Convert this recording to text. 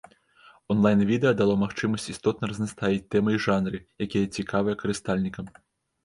Онлайн-відэа дало магчымасць істотна разнастаіць тэмы і жанры, якія цікавыя карыстальнікам.